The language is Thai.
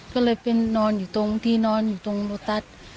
ก็เลยเป็นนอนอยู่ตรงที่นอนอยู่ตรงโลตัส